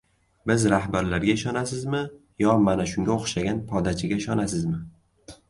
Biz rahbarlarga ishonasizmi, yo, mana shunga o‘xshagan podachiga ishonasizmi?